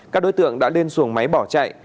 các đối tượng đã lên xuồng máy bỏ chạy